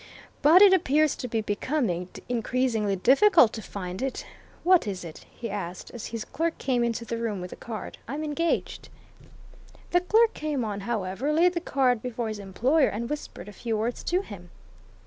But it appears to be becoming increasingly difficult to find it.... What is it?" he asked, as his clerk came into the room with a card. "I'm engaged." The clerk came on, however, laid the card before his employer, and whispered a few words to him.